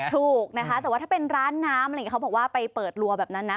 ถูกนะคะแต่ว่าถ้าเป็นร้านน้ำเขาบอกว่าไปเปิดรัวแบบนั้นนะ